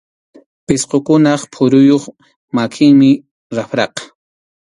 Pisqukunap phuruyuq makinmi rapraqa.